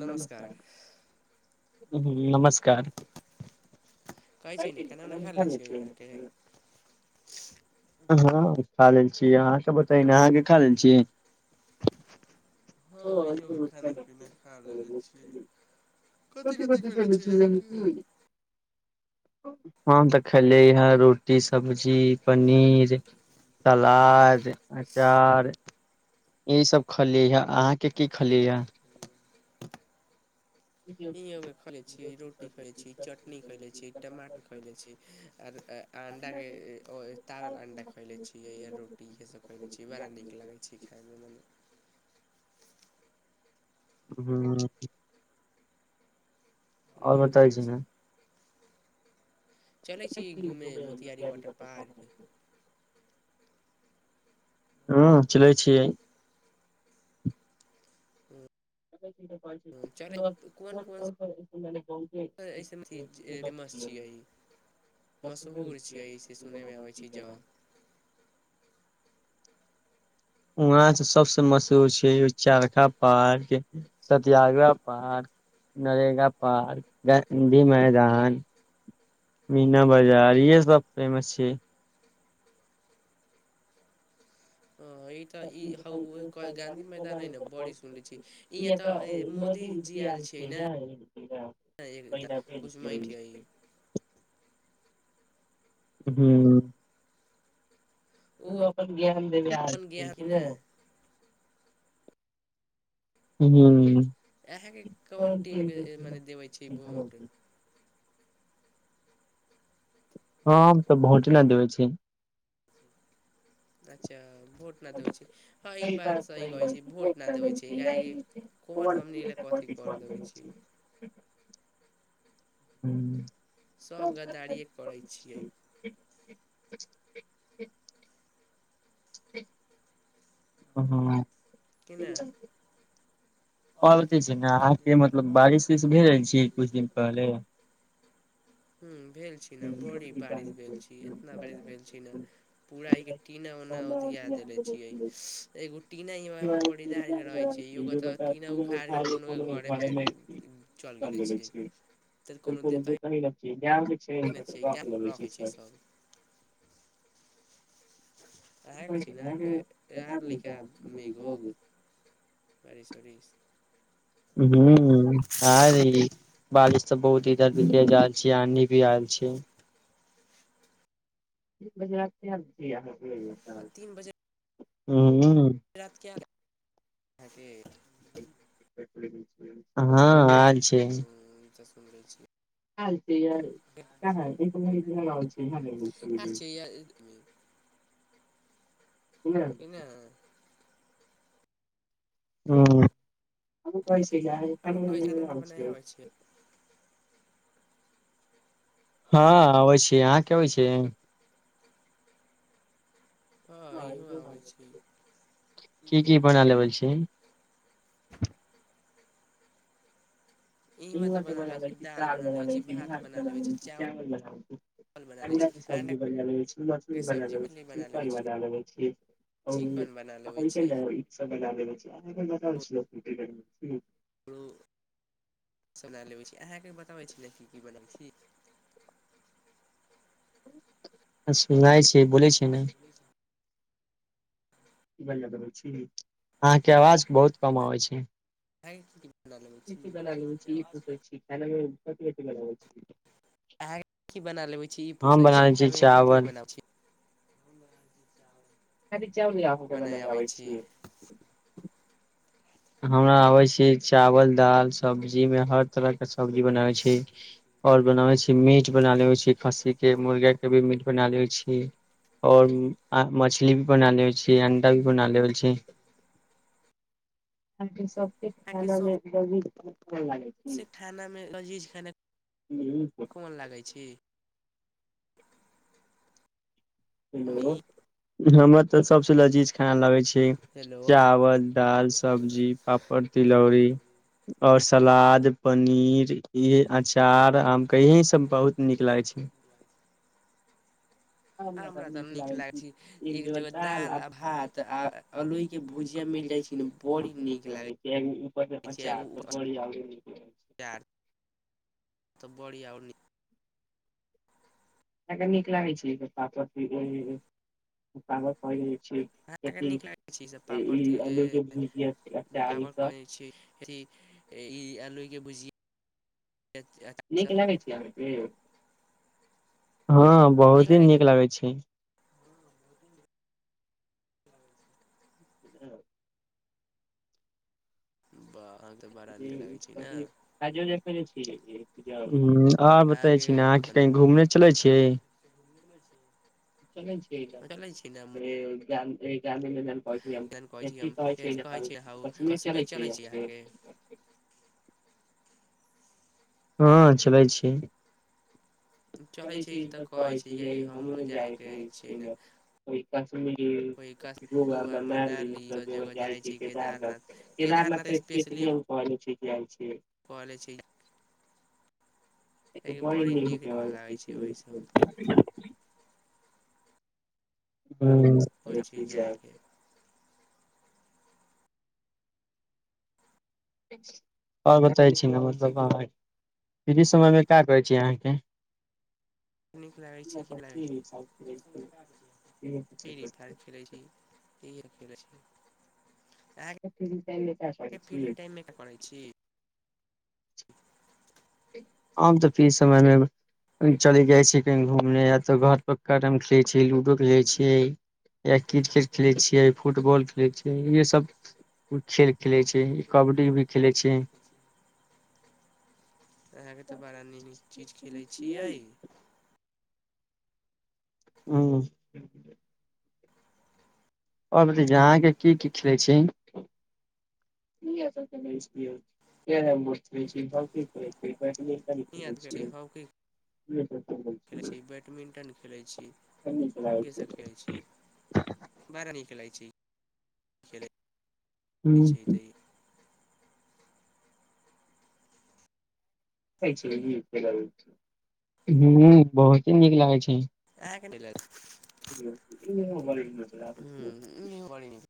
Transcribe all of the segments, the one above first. नमस्कार। कहै छी ने खाना उना खा लै छियै अहाँके हँ खाल लै छी। क अहाँ सब बताे ने अहाँके खा लेल छियै। हँ इहो भ खाना पीना खा लेल छियै। कथि कथि खैले छियै अहाँके [unintelligible] हम तऽ खलेी ह। रोटी सब्जी पनीर सलाद। अचार। यसभ खलीहे अहाँके की खलीहे ई एगो खएले छीयै, रोटी खएले छीयै, चटनी खएले छीयै, टमाटर खएले छीयै आर अ अंडाके ए ए अ तारल अंडा खएले छीयै रोटी इहे सब खएले छीयै, बड़ा नीक लागै छै। खायमे मने हां। और नीक बताए लागै छी छै नै। चलै चलय छी घूमे घुमय मोतिहारी वाटर पार्क वाटरपार्क। हां चलय छियै। चलै हां चलब कोन कोन सा, ए सब ठीक छै ए फेमस छीयै मशहूर छियै सेे सुनयमे आबै छै जँ वहाँ तै सबसे मशहूर छै Charkha park, Satyagraha park, NREGA park, Gandhi Maidan. Meena बाजार इहे सब फेमस छै। तऽ ई गाँधी मैदान जगह हइ में ने वाटर बड़ी पार्क सुनले छी ई इहा तऽ तै उम्म मोदी जी मोदीजी आयल आएल छियै छै ने नै एहीलिया ओहना कुछ वजह महिना से। हूं। ओ उ अपन ज्ञान देबै आएल अपन छै ज्ञान कि की ने नै हूं। अहां के कोन टीम के ए मने देबै छीयै भोट। हम तऽ भोट नै देबै छीयै। अच्छा। भोट न देबै छीयै, हां ई सही बात सही कहै बात छी छै भोट न वोट देबै दै छै काहेकि यही छै कोन हमनी ल कथी कर देबै छै। हूँ हूं। तब न गद्दारिए करै छियै छी। [inaudible] ठीक। अहां। दिन मे हेतै। और जे छै अहां के मतलब बारिश उरिश भेल रहल अछि छी की कुछ नै दिन पहिले हूँ हुं भेल छी न बड़ी बारिश भेल छी एतना बारिश भेल छी ने पूरा एके टीना उना उधिया देले छीयै एगो टीना ऐजा आय के रहे छै योगा तऽ की कोनो मे खाय हीयै कोनो मे पढ़ें मे चल गेले छियै तऽ फिर कोनो जे देते कहे यै। जे ज्ञान के छै नहि छियै गाय लगै छै रखै सर सभ अहाँके छी ने अहाँके आर लिखा [unintelligible] हुं आर ई बारिश सब बहुत इधर भी [unintelligible] जाए छै आन्धी भी आयल छै। [unintelligible] किया नै छी अहां के यै। अ तीन बजे [inaudible] हम्म। ह गेट [unintelligible] अहाँ आय इ छै। हमरे छिये। आयल छीये, का हय छै [unintelligible] इने हम्म। हम कहै छी ने हमरो कनी कहै खाना उना मनी [unintelligible] बनाय छिये। आबै छियै हाँ आबै छियै, अहाँ के आबै छियै। हँ इहो भाईजान आबै आबे छी छै, की की बना लेबै छी। इमे ते बना ले छी दाल बना लेबै छी, भात बना लेबै छी, चावल बना लै छी, बना आ लेबै छी [unintelligible] अंडा सब्जी बना सब्जी के बना लेबै छी, लेबै चिकन छी चिकन बना लेबै छी बना लेबै छी। [unintelligible] हुं, चला लेबै छै। अहाँके बताबै छलै की की बनै छै। [unintelligible] हां सुनाइ छिये, बोले छिये ने। इ [unintelligible] छी, अहाँके अवाज बहुत कम अहाँके आबै छै। [unintelligible] की ल लेबै छी, अहांके अवाज ने कथी कथी लगाबै छी। अहाँके की बना लेबै छी, पुछै बनाबै छी खेनायमे कथी चावल के बनाबै छी। [unintelligible] चावल अहांके बना बनाय आबै लेबै छी। हमरा बनाबै छी चावल दाल सब्जीमे हर तरहके सब्जी बनाबै छी और बनाबै छी मीट बना लेबै छी खस्सीके, मुर्गाके भी मीट बना लेैबै छी और आ मछली भी बना लेबै छी, अण्डा भी बना लेबै छी। आंटी सब फिर अहाँके सब खानामे [unintelligible] से खानामे लजीज खाना हेलो मुन लागै छी। नी हेलो हमर त सबसे लजीज खाना लगे छै। हेलो चावल, दाल, सब्जी, पापड़, तिलौरी और सलाद, पनीर, इ अचार आम के यही सब बहुत नीक लागै छै। हमरा तऽ आमरा नीक लागै दाल आ भात आ अलु के भुजिया बहुत नीक लागै छै आ उपर से छै अचार एगो बहुत नीक लागै छै। तब बड़ी और निक त नीक लागै छै पापड़ तिलौरी पापड़। छै ह अथी नीक लागै छै ई सब पापड़ आलू के भुजिया त अचार ई पापड़ ख सब छी ईलू। बुजिय नीक लगै छै अहां के। हँ बहुत ही नीक लगैत छै। ह ब। आ बै अहाँके छी अह कह घु चलै छी। चलै छै ने गी कहै छी हम छै अथी कहै छी हउ छै कश्मीर छी चलै अहाँके छै। हँ चलै छी। चलै कहै छी छै ई तऽ सब कहै छी छै य कियाकि हमरो हमूँ जाय जायके छै छी ने ओहि कश कश्मीरीो गोवा जाइ मनाली सब जगह जाइ छै छी केदारनाथ केदारनाथ कहे स्पेशली हम छै। जाइछै। कहले छीय। लागै छै ओहि सब [unintelligible] ओहि चीज जायके [unintelligible] आओर बतै छी ने मतलब अहाँ फ्री समयमे की करै छी अहाँके। नीक लागै छै कि नहि ल छै फ्री फायर खेलै छी इह खेलैत छी। अहाँके फ्री टाइममे का करै छी [inaudible] आब तऽ फी समयमे चलि जाइ छीयै कहीँ घूमने या तऽ घरपर कैरम खेलैत छियै लूडो खेलैत छियै या क्रिकेट खेलैत छियै फुटबॉल खेलैत छियै इएहसभ खेल खेलैत छैै कबड्डी भी खेलैत छैिय। अहाँके तऽ बड़ा नीक चीज खेलै छियै। हा। आओर ब अहाँ के की की खेल छी। हॉकी खेलै छी बैडमिंटन खेलै छी इहे सब [inaudible] खेलइ छी खेल छी। छै त। ह बहुते नीक लागै छै। आहाँ के नई लग ह नीन परे हे।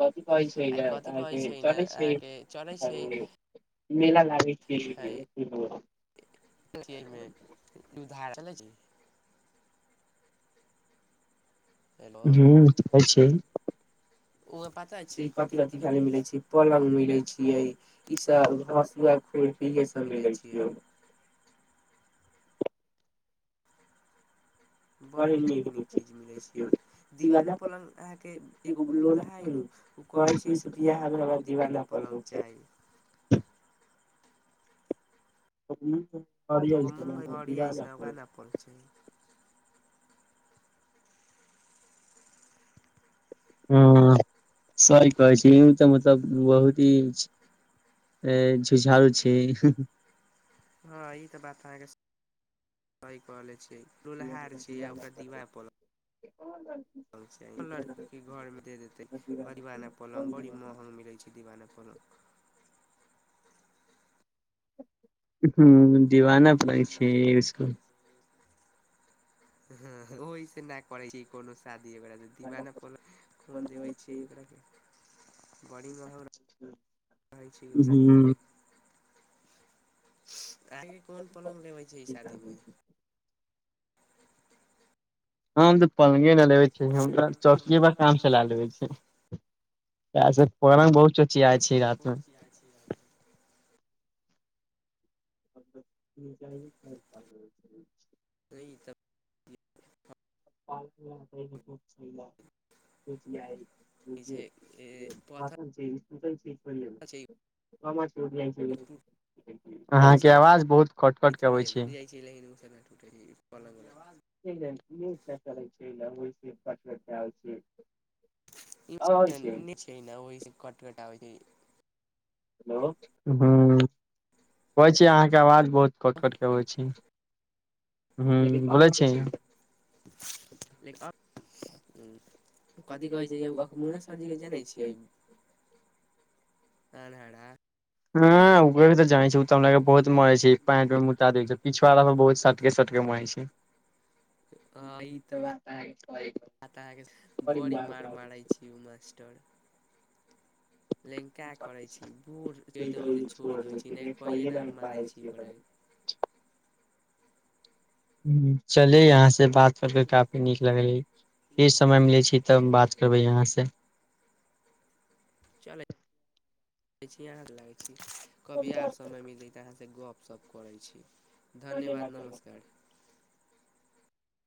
कथी कहै छै आइ कथी कहै अहाँके ने चलै छै अहाँके चलै छै मेला लागै छै। जी। हेलो र छै। ओ पता ई छै कथि पतला कथि से खाय खाली ले मिलै छै फल पलंग आबै मिलै छियै छैियै ई इ सब हसुआ हॉस्पिटल पे फ्री के खुरपीे सब मिलै छैै। छियै। बड़ी नीक नीक चीज मिलै छै ई लगा दीवाना पलंग अहाँके एगो लोलहा है न ओ घर कहै छै से जे सिटिया वियाहमे हमरा दिवाला दीवाना पर हो पलंग छै चाही। कबनी। तो ह आइस ने क नहि प छै हँ। सही कहै छी ई तऽ मतलब बहुत ही झुझारू छै हँ ई तऽ बात अहाँके सऽ। इ कहने। लोलहार छै आ ओकरा दिवार प। पल लड़कीे घरमे दे देतै दिवाना पलंग बड़ी महग मिलै छै दीवाना पलंग। हू। दीवाना पड़ै छै इसकु। ह ओहि से नहि करै छै कोनो साध। दिवा खन देबै छिय एकरा के। बड़ी महंग रहे छै ह्म। आगे कोन पलंग लेबै छै शादीमे। हम त पलंगे न लेबै। हम त चौकी पर काम चला लेबै छी। त प बहुत च। आइ छी रति मे। [unintelligible] सब। पार्क। ई जे पथा बझै छी। टूटै अहाँके छै आवाज बहुत कटकट के अबै थोड़िये छै। ने जाइ लेकिन उ सब ने टूटै छै पलंग छै पर छै। छै ओहि कटकटै छै। ह ह कहै छी अहाँके आवाज। बहुत कट कट के आवइ छै। ह्म बोलै छी। ह। कथी कह छै मन जानै छियै सिल छ। आन हरा। हँ उगय भ तऽ जइ। [unintelligible] आ त अहाँके बड़ी मार मारै छी ओ मास्टर। लंका करै छी बूढ़ ओहिस छोड़ देै छी नहि कहिे ने हम मारै छी ओकरा। ह चले यहाँ से बात। कर के काफी नीक लगले फेर समय मिले छै तब बात करबे यहाँ से। चलै लागै छै। कभी आ समय मिले त यहाँ से गप। सभ करै छी। ह धन्यवाद नमस्कार बात।